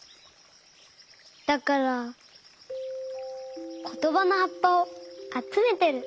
だからことばのはっぱをあつめてる。